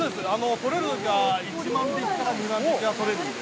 取れるときは１万匹から２万匹は取れるんで。